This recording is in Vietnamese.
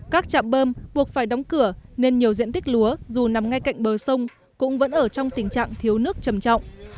các trạm bơm buộc phải đóng cửa nên nhiều diện tích lúa dù nằm ngay cạnh bờ sông cũng vẫn ở trong tình trạng thiếu nước trầm trọng